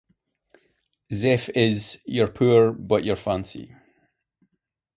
Zef is, you're poor but you're fancy.